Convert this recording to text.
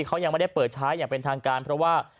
เขายังไม่ได้เปิดใช้อย่างเป็นทางการเพราะว่า